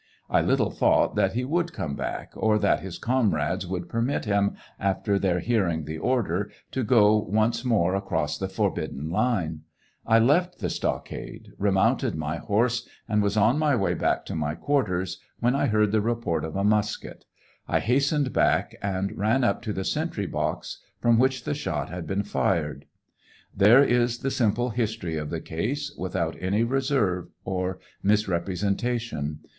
I little thought that he would come back, or that his comrades would permit him, after their hearing the order, to go once more across the forbidden line. I left the stockade, remounted my horse, and was on my way back to my quarters when I heard the report of a musket. I hastened back and ran up to the sentry box from which the shot had been fired. There is the simple history of the case, without any reserve or misrepresenta tion.